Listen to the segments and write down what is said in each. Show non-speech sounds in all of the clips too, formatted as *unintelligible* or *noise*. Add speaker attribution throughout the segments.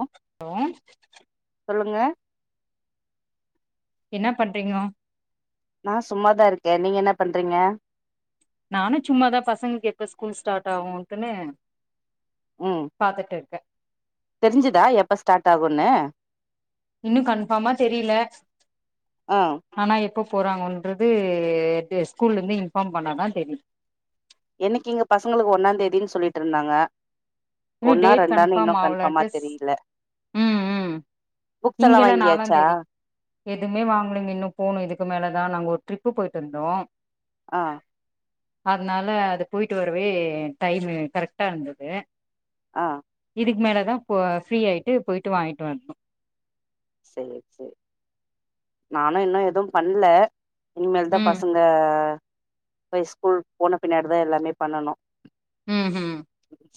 Speaker 1: ஒ
Speaker 2: ஹலோ
Speaker 1: சொல்லுங்க
Speaker 2: என்ன பண்றீங்கோ
Speaker 1: நா சும்மாதா இருக்கே நீங்க என்ன பண்றீங்க
Speaker 2: நானு சும்மாதா பசங்களுக்கு எப்ப ஸ்கூல் ஸ்டார்ட் ஆகும்ட்டுன்னு
Speaker 1: ம்
Speaker 2: பாத்துட்டு இருக்கே
Speaker 1: தெரிஞ்சுதா எப்ப ஸ்டார்ட் ஆகுனு
Speaker 2: இன்னு கன்ஃபாமா தெரியில
Speaker 1: ஆ
Speaker 2: ஆனா எப்போ போறாங்கென்றது ஸ்கூல்ல இருந்து இன்ஃபார்ம் பண்ணா தா தெரியு
Speaker 1: இன்னைக்கி இங்க பசங்களுக்கு ஒன்னா தேதினு சொல்லிட்டு இருந்தாங்க
Speaker 2: இன்னு
Speaker 1: ஒன்னா
Speaker 2: டேட்
Speaker 1: ரெண்டானு
Speaker 2: கன்ஃபார்ம்
Speaker 1: இன்னு கன்ஃபாமா
Speaker 2: ஆவலன்ட்டு
Speaker 1: தெரியில
Speaker 2: ம் ம்
Speaker 1: புக்ஸ் எல்லா வாங்கியாச்சா
Speaker 2: எதுமே வாங்குலிங்க இன்னும் போணும் இதுக்கு மேல‌ தா நாங்க ஒரு ட்ரிப்பு போயிட்டு இருந்தோ
Speaker 1: ஆ
Speaker 2: அதுனால அது போயிட்டு வரவே டைம் கரெக்டா இருந்தது
Speaker 1: ஆ
Speaker 2: இதுக்கு மேல தா ப்ரீ ஆயிட் இப்யே போயிட்டு வாங்கிட்டு வரணு
Speaker 1: சேரி சேரி நானு இன்னு எதுவு பண்ல இனிமேல் தா
Speaker 2: ம்
Speaker 1: பசங்க இவ ஸ்கூல் போன பின்னாடி தா எல்லாமே பண்ணணு
Speaker 2: ம் ம்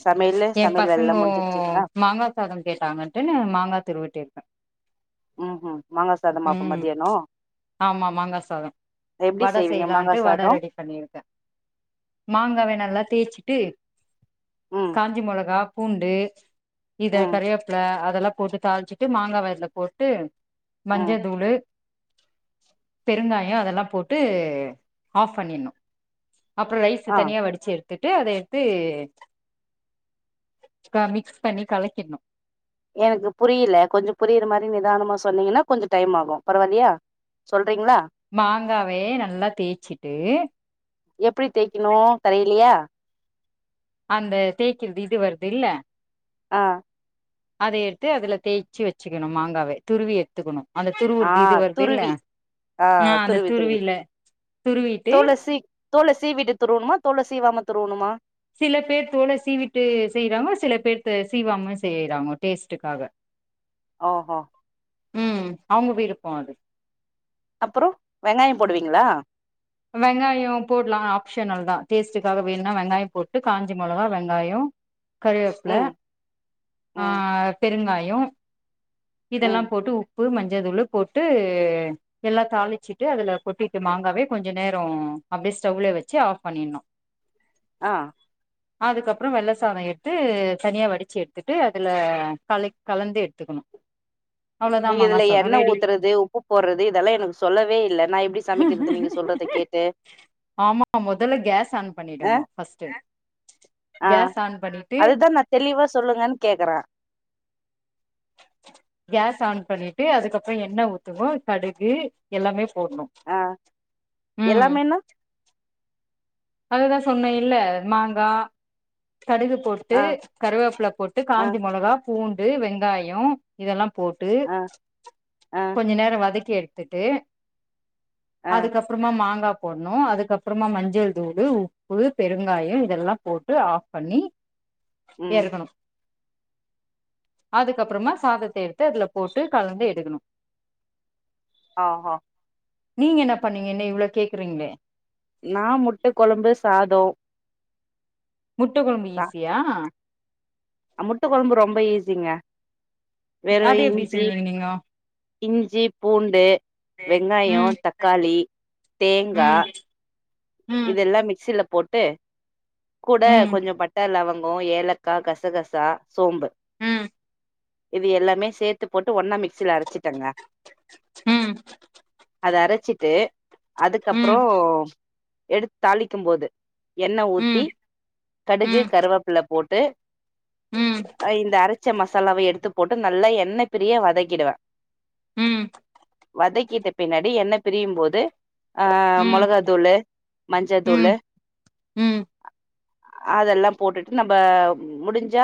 Speaker 1: சமையலு
Speaker 2: என்
Speaker 1: சமையல் வேலல்லா
Speaker 2: பசங்கோ
Speaker 1: முடிஞ்சிருச்சுங்களா
Speaker 2: மாங்கா சாதம் கேட்டாங்கன்ட்டு நா மாங்கா திருவிட்டுயிருக்கே
Speaker 1: ம் ம் மாங்கா சாதமா அப்ப
Speaker 2: ம்
Speaker 1: மதியானோ
Speaker 2: ஆமா மாங்கா சாதோ
Speaker 1: எப்டி
Speaker 2: வட
Speaker 1: செய்வீங்க மாங்கா
Speaker 2: செய்யலான்ட்டு வட
Speaker 1: சாதோ
Speaker 2: ரெடி பண்ணிருக்கே மாங்காய நல்லா தேச்சு *unintelligible*
Speaker 1: ம்
Speaker 2: காஞ்சி மொளகா பூண்டு இத
Speaker 1: ம்
Speaker 2: கரவேப்பிள அதெல்லா போட்டு தாளிச்சிட்டு மாங்காவ அதுல போட்டு மஞ்ச
Speaker 1: ம்
Speaker 2: தூளு பெருங்காயோ அதெல்லா போட்டு ஆப்ஃ பண்ணிட்ணோ அப்றோ ரைஸ்
Speaker 1: ஆ
Speaker 2: தனியா வெடிச்சு எடுத்து து அதைஎடுத்து மிக்ஸ் பண்ணி கலக்கிடணு
Speaker 1: எனக்கு புரில கொஞ்ஜோ புரியிற மாரி நிதானமா சொன்னீங்கன்னா கொஞ்ஜோ டைம் ஆகும் பரவால்லயா சொல் பாத்தீங்களா
Speaker 2: மாங்காவே நல்லா தேய்ச்சிட்டு
Speaker 1: எப்டி தேக்கணு தலையிலயா
Speaker 2: அந்த தேக்கிறது இது வருது இல்ல
Speaker 1: ஆ
Speaker 2: அத எடுத்து அதுல தேச்சு வச்சுக்கணு மாங்காவ துருவி எடுத்துக்கணு அந்த
Speaker 1: ஆ
Speaker 2: துருவுறது இது வருது இல்ல
Speaker 1: துருவி ஆ
Speaker 2: அந்த
Speaker 1: துருவி துருவி
Speaker 2: துருவில துருவிட்டு
Speaker 1: தோல சீ தோல சீவிட்டு துருவணுமா தோல சீவாம துருவனுமா
Speaker 2: சில பேர் தோல சீவிட்டு செய்றாங்க சில பேர் சீவாம செய்றாங்கோ டேஸ்டுக்காக
Speaker 1: ஆ ஆ
Speaker 2: ம் அவுங்க வீடு போவாது
Speaker 1: அப்பறோ வெங்காயோ போடுவீங்ளா
Speaker 2: வெங்காயோ போடுலா ஆப்ஷனல் தா டேஸ்டுக்காக வேணுனா வெங்காயோ போட்டு காஞ்ச மிளகா வெங்காயம் கருவேப்பில
Speaker 1: ம் ம்
Speaker 2: ஆஹ் பெருங்காய் *unintelligible* இதெல்லா
Speaker 1: ம்
Speaker 2: போட்டு உப்பு மஞ்சள் தூளு போட்டு எல்லா தாளிச்சிட்டு அதுல கொட்டிட்டு மாங்காவே கொஞ்சோ நேரோ அப்டியே ஸ்டவ்ல வச்சு ஆஃப் பண்ணினு
Speaker 1: ஆஹ்
Speaker 2: அதுக்கப்றொ வெள்ள சத எடுத்து தனியா வடிச்சு எட்துட்டு அதுல கலை கலந்து எட்த்துக்குணு
Speaker 1: நீங்க இதுல எண்ண ஊத்துறது உப்பு போட்றது இதல்லா எனக்கு சொல்லவே இல்ல நா எப்டி சமிக்கிற்து நீங்க சொ
Speaker 2: ஆமா மொதல கேஸ் ஆன்
Speaker 1: அ
Speaker 2: பண்ணிடுங்கோ ஃபஸ்ட்டு
Speaker 1: ஆ
Speaker 2: கேஸ் ஆன் பண்ணிட்டு
Speaker 1: அதுதா நா தெளிவா சொல்லுங்கன்னு கேக்குறே
Speaker 2: கேஸ் ஆன் பண்ணிட்டு அதுக்கப்பு எண்ண ஊத்துனு கடுகு எல்லாமே போடணும்
Speaker 1: ஆஹ்
Speaker 2: ம்
Speaker 1: எல்லாமேனா
Speaker 2: அதுதா சொன்னே இல்ல மாங்கா கடுகு போட்டு
Speaker 1: ஆ
Speaker 2: கருவேப்ல போட்டு
Speaker 1: ஆ
Speaker 2: காஞ்ச மொளகா பூண்டு வெங்காயோ இதெல்லா போட்டு
Speaker 1: ஆ ஆ
Speaker 2: கொஞ்சோ நேரோ வதக்கி எடு த்துட்டு
Speaker 1: ஆ
Speaker 2: அதுக்கப்றமா மாங்கா போட்ணு அதுக்கப்றமா மஞ்சள் தூளு உப்பு பெருங்காயோ இதெல்லா போட்டு ஆப் பண்ணி
Speaker 1: ம்
Speaker 2: ஏற்க்கணு அதுக்கப்பறமா சாதத்த எடுத்து அதுல போட்டு கலந்து எடுக்குணு
Speaker 1: ஆஹா
Speaker 2: நீங்க என்ன பண்ணீங்க என்ன இவ்ளோ கேக்குறீங்ளே
Speaker 1: நான் முட்ட கொழம்பு சாதோ
Speaker 2: முட்ட கொழம்பு ஈஸியா
Speaker 1: அ முட்ட கொழம்பு ரொம்ப ஈஸிங்க வெறு
Speaker 2: அது எப்டி
Speaker 1: இஞ்சி
Speaker 2: செஞ்சீங்க நீங்கோ
Speaker 1: இஞ்சி பூண்டு வெங்காயோ
Speaker 2: ம்
Speaker 1: தக்காளி தேங்கா
Speaker 2: ம் ம்
Speaker 1: இதெல்லா மிக்சில போட்டு கூட
Speaker 2: ம்
Speaker 1: கொஞ்சொ பட்ட லவங் கோ ஏலக்கா கசகசா சோம்பு
Speaker 2: ம்
Speaker 1: இது எல்லாமே சேத்து போட்டு ஒன்னா மிக்சில அரச்சிட்டங்க
Speaker 2: ம்
Speaker 1: அத அரச்சிட்டு
Speaker 2: ம்
Speaker 1: அதுக்கப்றோ எடுத் தாளிக்கும் போது எண்ண ஊத்தி
Speaker 2: ம்
Speaker 1: கடுகு
Speaker 2: ம்
Speaker 1: கருவப் பில்ல போட்டு
Speaker 2: ம்
Speaker 1: அ இந்த அரச்ச மசாலாவ எடுத்து போட்டு நல்லா என்னை பிரிய வதக்கிடுவே
Speaker 2: ம் ம்
Speaker 1: வதக்கிட்ட பின்னாடி எண்ண பிரியும்போது ஆஹ்
Speaker 2: ம்
Speaker 1: மொளகா தூளு மஞ்ச தூளு
Speaker 2: ம்
Speaker 1: அதெல்லா போட்டுட்டு நம்ப முடிஞ்சா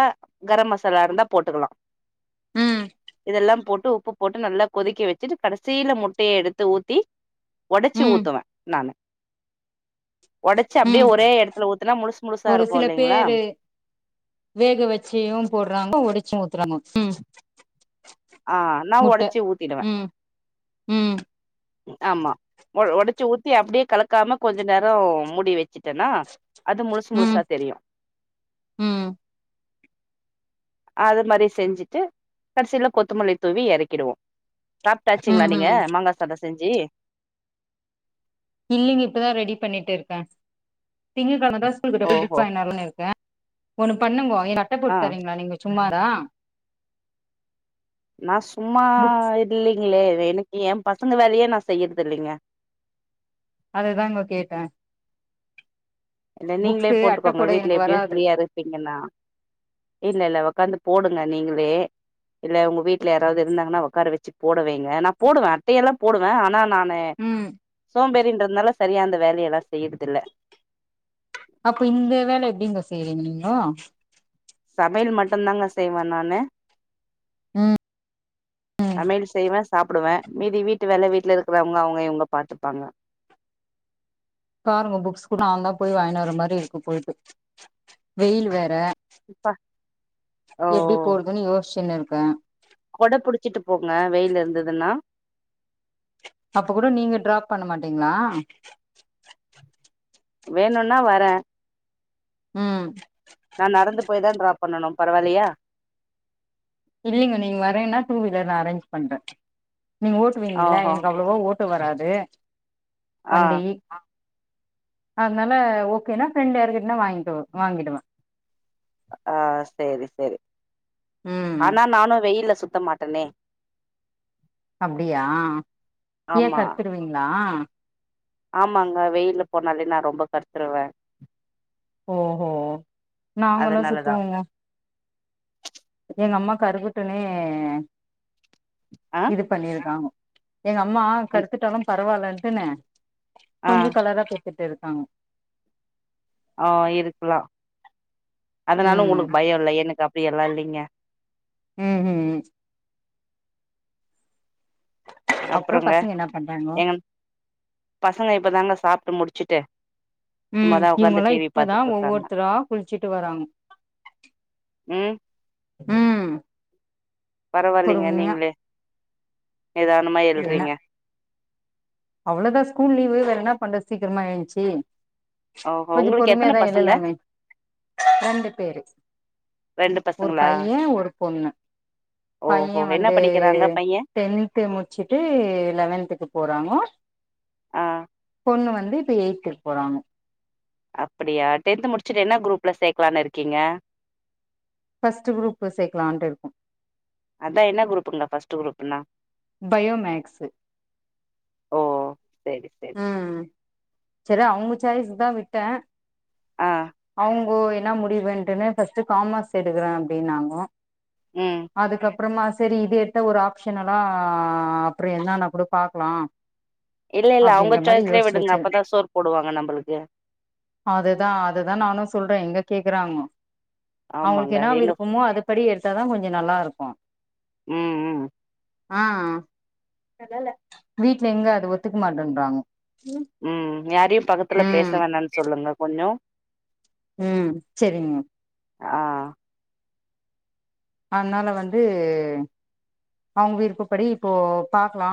Speaker 1: கர மசாலா இருந்தா போட்டுக்கலா
Speaker 2: ம்
Speaker 1: இதெல்லா போட்டு உப்பு போட்டு நல்லா கொதிக்க வச்சுட்டு கடசில முட்டைய எடுத்து ஊத்தி ஒடச்சு
Speaker 2: ம்
Speaker 1: ஊத்துவே நானு ஒடச்சு அப்டியே
Speaker 2: ம்
Speaker 1: ஒரே எடத்துல ஊத்
Speaker 2: ஒரு சில பேரு வேக வச்சுயு போட்றாங்க ஒடச்சு ஊத் த்றாங்க உம்
Speaker 1: ஆஹ் நா ஒடச்சு ஊத்திடுவே
Speaker 2: ம் ம்
Speaker 1: ஆமா ஒ ஒடச்சு ஊத்தி அப்டே கலக்காம கொஞ்ச நேர மூடி வச் வச்சுட்டேனா அது முழுசு
Speaker 2: ம்
Speaker 1: முழுசா தெரியு
Speaker 2: ம்
Speaker 1: அது மாறி செஞ்சுட்டு கட்சில கொத்தமல்லி தூவி எறக்கிடுவோ சாப்ட்டாச்சுங்ளா
Speaker 2: ம்
Speaker 1: நீங்க
Speaker 2: ம்
Speaker 1: மாங்காஸ் செஞ்சி
Speaker 2: இல்லைங்க இப்பதா ரெடி பண்ணிட்டு இருக்கே திங்கக்கெழம் அதா ஸ்கூல் போய்ட்டு அப்டியே
Speaker 1: ஓஹோ
Speaker 2: புக்ஸ் வாங்கினு வர்லான் இருக்கே ஒன்னு பண்ணுங்கோ வேற அட்ட
Speaker 1: ஆ
Speaker 2: போட்த்தரீங்ளா நீங்க சும்மா தா
Speaker 1: நா சும்மா இல்லிங்ளே எனுக்கு ஏ பசுங்க வேலுயே நா செய்யற்துல்லிங்க
Speaker 2: அததாங்கோ கேட்ட
Speaker 1: இல்ல நீங்ளே போட்டுக்கோங்க வீட்ல எப்டியு
Speaker 2: வராது
Speaker 1: ஃப்ரீயா இருப்பீங்கனா இல்ல இல்ல ஒக்காந்து போடுங்க நீங்களே இல்ல உங்க வீட்ல யாராவ்து இருந்தாங்னா ஒக்கார வெச்சி போட வெய்ங்க நா போடுவ அட்டையல்லா போடுவ ஆனா நா நே
Speaker 2: ம்
Speaker 1: சோம்பேறின் ட்றதுனால சரியா அந்த வேலியலா செய்யிற்தில்ல
Speaker 2: அப்ப இந்த வேல எப்டிங்கோ செய்வீங் நீங்கோ
Speaker 1: சமைல் மட்டுந்தாங்க செய்வ நானு
Speaker 2: ம்
Speaker 1: சமையல் செய்வ சாப்புடுவ மீதி வீட்டு வேல வீட்ல இருக்குறவ்ங்க அவ்ங்க இவ்ங்க பாத்துப்பாங்க
Speaker 2: காருங்கோ புக்ஸ்க்கு நாந்தா போய் வாய்ன் வர மாரி இருக்கு போயிட்டு வெயில் வேற
Speaker 1: ப்பா ஓ
Speaker 2: எப்டி போறதுன் யோஸ்ச் வெயில் இருக்கா
Speaker 1: கொட புடுச்சுட்டு போங்க வெயில் இருந்ததுனா
Speaker 2: அப்ப கூட நீங்க ட்ராப் பண்ண மாட்டீங்ளா
Speaker 1: வேணுனா வரே
Speaker 2: உம்
Speaker 1: நா நடந்து போய் தா ட்ராப் பண்ணனு பரவால்லயா
Speaker 2: இல்லைங்க நீங்க வரேனா டூ வீலர் நா அரேஞ் பண்றே நீங்க ஓட்டுவீங்ள
Speaker 1: ஓஹோ
Speaker 2: எனக்கு அவ்ளவா ஓட் வராது
Speaker 1: ஆ
Speaker 2: வண்டி ஆ அதனால ஓகேனா ஃப்ரெண்ட்யாருக்கிட்னா வாங்கி வாங்கிடுவ
Speaker 1: ஆ செரி சேரி
Speaker 2: ம்
Speaker 1: ஆனா நானு வெயில்ல சு சுத்த மாட்டேனே
Speaker 2: அப்டியா ஏ
Speaker 1: ஆமா
Speaker 2: கர்த்ருவீங்களா
Speaker 1: ஆமாங்க வெயில்ல போனாலே நா ரொம்ப கர்த்துருவை
Speaker 2: ஓ ஹோ நாங்கலௌ
Speaker 1: அதனாலதா
Speaker 2: சுத்துவோங்க எங்க அம்மா கருகுட்டுனே
Speaker 1: ஆ
Speaker 2: இது பண்ணிருக்கானு எங்க அம்மா
Speaker 1: என்
Speaker 2: கருத்துட்டாலு பரவால்லன் சொன்னே
Speaker 1: ஆ
Speaker 2: கொஞ்சோ கலரா தெ கிட்டு இருகாங்க
Speaker 1: ஆ இருக்குலா அதனால
Speaker 2: ம்
Speaker 1: உனுக் பயோ இல்ல எனக்கு அப்டி எல்லா இல்லிங்க
Speaker 2: ம் ம் அப்றோ
Speaker 1: அப்புறோங்க
Speaker 2: பசங்க என்ன பண்றாங்கோ
Speaker 1: எங்க பசங்க இப்பதாங்க சாப்டு முடிச் ச்சிட்டு
Speaker 2: ம் இவங்கல்லா இப்பதா
Speaker 1: இருக்காங்க
Speaker 2: ஒவ்வொருத்தரா குளிச்சுட்டு வராங் ம்
Speaker 1: பரவாயில்லங்க
Speaker 2: பொறுமையா
Speaker 1: நீங்களே நிதானமா எல்றீங்க
Speaker 2: அவ்வளோதா ஸ்கூல் லீவு வேற என்னா பண்ற சீக்கிரமா எழுந்சி
Speaker 1: ஓஹோ
Speaker 2: கொஞ்சோ
Speaker 1: உங்களுக்கு எத்தன
Speaker 2: பொறுமையதா
Speaker 1: பசங்க
Speaker 2: எழுலாமே ரெண்டு பேரு
Speaker 1: ரெண்டு
Speaker 2: ஒரு
Speaker 1: பசங்களா
Speaker 2: பைய ஒரு பொண்ணு பைய
Speaker 1: ஓஹோ என்ன
Speaker 2: வந்து
Speaker 1: படிக்கிறாங்க பைய
Speaker 2: டென்த்து முடிச்சுட்டு லெவன்த்துக்கு போறாங்க
Speaker 1: ஆ
Speaker 2: பொண்ணு வந்து இப்ப எய்த்துக் போறாங்க
Speaker 1: அப்படியா டென்த் முடிச்சுட்டு என்ன குரூப்ல சேக்கலானு இருக்கீங்க
Speaker 2: ஃப்ஸ்டு குரூபு சேர்க்கலான்ட்டு இருக்கொ
Speaker 1: ப்னா ஃப்ஸ்டு குரூப்னா
Speaker 2: பயோமேக்ஸு
Speaker 1: ஓ செரி செரி
Speaker 2: உம் செரி அவங்க சாய்ஸ் தா விட்ட
Speaker 1: ஆ
Speaker 2: அவங்கோ எ என்ன முடிவுன்டுனு ஃபஸ்டு காமர்ஸ் எடுக்கிறே அப்படின்னாங்க
Speaker 1: ம்
Speaker 2: அதுக்கப் அப்புறமா சரி இது எடுத்த ஒரு ஆப்ஷனலா அப்புறோ என்னனா கூட பாக்கலா
Speaker 1: இல்ல இல்ல அவங்க
Speaker 2: அப்டின்ற மாரி
Speaker 1: சாய்ஸ்லயே
Speaker 2: யோசிச்சு
Speaker 1: விடுங்க
Speaker 2: வச்சு
Speaker 1: அப்பதா சோர் போடுவாங்க நம்பளுக்கு
Speaker 2: அதுதா அதுதா நானு சொல்றே எங்க கேக்குறாங்கோ அவருக்கு
Speaker 1: ஆமாங்க
Speaker 2: என்ன
Speaker 1: எங்க
Speaker 2: விருப்பமோ அதுபடி எடுத்தாதா கொஞ்சோ நல்லா இருக்கோ
Speaker 1: ம் ம்
Speaker 2: ஆஹ் நல்லால்ல வீட்ல எங்க அது ஒத்து மாட்டேன்றாங்க
Speaker 1: ம் யாரையு பக்கத்துல பேச
Speaker 2: ம்
Speaker 1: வேணான் சொல்லுங்க கொஞ்சோ
Speaker 2: ம் சரிங்க
Speaker 1: ஆ
Speaker 2: அதனால வந்து அவுங்க விருப்பப்படி இப்போ பாக்கலா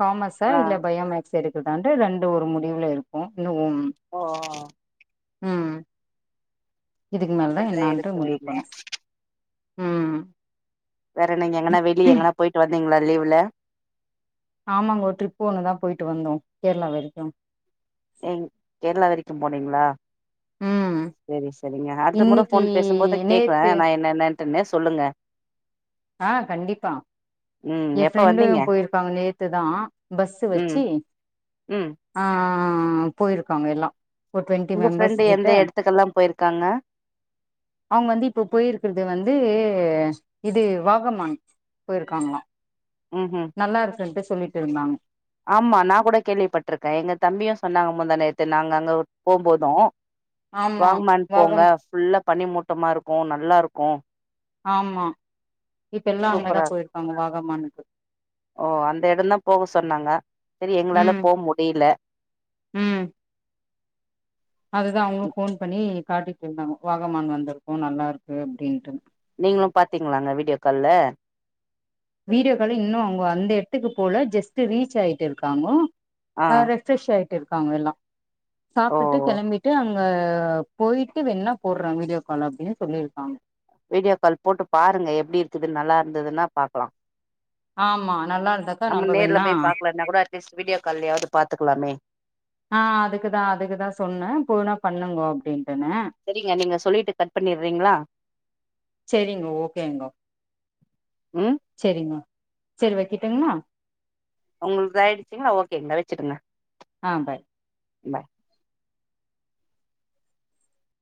Speaker 2: காமஸா
Speaker 1: ஆ
Speaker 2: இல்ல பயோமேக் செரு எடுக்குடாண்டு ரெண்டு ஒரு முடிவுல இருக்கோ இன்னு உம்
Speaker 1: ஓ ஒ ஒ
Speaker 2: ம் ம் இதுக்கு மேலதா
Speaker 1: அப்படித்தா
Speaker 2: என்னான்ட்டு
Speaker 1: எடுத்து
Speaker 2: முடிவு
Speaker 1: வைங்க
Speaker 2: பண்ணு உம்ம்
Speaker 1: வேற நீங்க எங்கனா வெளிய எங்கனா போயிட்டு வ நீங்களா ரிலீவ்ல
Speaker 2: ஆமாங்க ஒரு ட்ரிப் ஒண்ணுதா போயிட்டு வந்தோ கேரளா வரைக்கு.
Speaker 1: ஏ கேரளா வெரிக்கூ போனீங்களா?
Speaker 2: ம்
Speaker 1: செரி செரிங்க அடுத்த முற
Speaker 2: இன்னிக்கி
Speaker 1: போன் பேசும்போது கேக்குறே
Speaker 2: நேத்து
Speaker 1: நா என்னனென்னு னே சொல்லுங்க
Speaker 2: ஆஹ் கண்டிப்பா
Speaker 1: ம்
Speaker 2: என்
Speaker 1: எப்ப
Speaker 2: ஃப்ரெண்டு
Speaker 1: வந்தீங்க
Speaker 2: போயிருக்காங்க நேத்துதா பஸ்ஸூ
Speaker 1: ம்
Speaker 2: வெச்சு
Speaker 1: ம்
Speaker 2: ஆ ஆ ஆ ஆ போயிருக்காங்க எல்லா ஒரு டுவெண்ட்டி
Speaker 1: உங்க
Speaker 2: மெம்பர்ஸ்
Speaker 1: ஃப்ரெண்டு
Speaker 2: கிட்ட
Speaker 1: எந்த எடத்துக்கெல்லா போயிருக்காங்க?
Speaker 2: அவுங்க வந்து இப்போ போயிருக்கிறது வந்து து இது வாகமான் போயிருக்காங்களா
Speaker 1: ம்ஹ்ம்.
Speaker 2: நல்லா இருக்குன்ட்டு சொல்லிட்டு இருந்தாங்க
Speaker 1: ஆமா நா கூட கேள்விப்பட்டிருக்கே எங்க தம்பியு சொன்னாங்க முந்தா நேத்து நாங்க அங்க போம் போது
Speaker 2: ஆமா
Speaker 1: வாங்க்மான் போங்க
Speaker 2: வாகமான்
Speaker 1: ஃபுல்ல பனி மூட்டமா இருக்கு நல்லா இருக்கு
Speaker 2: ஆமா இப்ப எல்லா அங்கதா
Speaker 1: சூப்பரா இருக்கும்."
Speaker 2: போயிருக்காங்க வாக அமானுக்கு
Speaker 1: ஓ அந்த இடம் தான் போக சொன்னாங்க செரி எங்களால
Speaker 2: ம்
Speaker 1: போக முடியல
Speaker 2: அதுதான் அவங்களுக்கு போன் பண்ணி காட்டிட்டு இருந்தாங்க வாகமான் வந்திருக்கு நல்லா இருக்கு அப்டீ ன்ட்டு
Speaker 1: நீங்களும் பாத்தீங்களாங்க வீடியோ கால்ல
Speaker 2: வீடியோ கால் இன்னும் அவங்க அந்த எடத்துக்கு போல ஜஸ்ட் ரீச் ஆயிட்டு இருக்காங்க ஆ ரெஃப்ரெஷ் ஆய் இருக்காங்க எல்லாம்
Speaker 1: ஓ
Speaker 2: சாப்ட்டுட்டு கிளம்பிட்டு அங்க ஆ போயிட்டு வேணா போடுறே வீடியோ கால் அப்படின்னு சொல்லிருக்காங்க
Speaker 1: வீடியோ கால் போட்டு பாருங்க எப்டி இருக்குதுனு நல்லா இருந்ததுன்னா பாக்கலாம்
Speaker 2: ஆமா நல்லா இருந்தாக்கா
Speaker 1: நம்ம நேர்ல
Speaker 2: வேணா
Speaker 1: போய் பாக்கலனா கூட அட்லீஸ்ட் வீடியோ கால்லயாது பாத்துக்கலாமே
Speaker 2: ஆ அதுக்குதா அதுக்குதா சொன்னேன் போனா பண்ணுங்க அப்படின்னு
Speaker 1: சரிங்க நீங்க சொல்லிட்டு கட் பண்ணிறீங்களா
Speaker 2: செரிங்க ஓகேங்கோ செரிங்க செரி வக்கிட்டிங்களா
Speaker 1: உங்குளுது இத ஆயிடுச்சிங்களா ஓகே வச்சுருங்க
Speaker 2: ஆ ம் பாய்
Speaker 1: இந்த